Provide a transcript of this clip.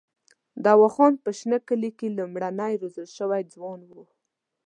دوا خان په شنه کلي کې لومړنی روزل شوی ځوان وو.